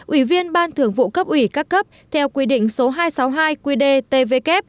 ủy viên ban thưởng vụ cấp ủy các cấp theo quy định số hai trăm sáu mươi hai qdtvk